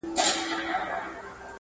دا ډول مقاومت نا مشروع ندی